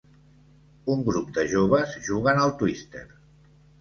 Un grup de joves jugant al Twister.